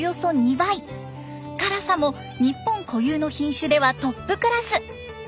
辛さも日本固有の品種ではトップクラス。